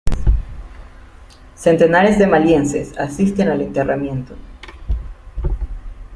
Centenares de malienses asisten al enterramiento.